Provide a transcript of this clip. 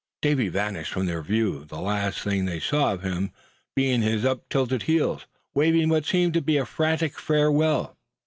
Davy vanished from their view, the last thing they saw of him being his up tilted heels, waving what seemed to be a frantic farewell.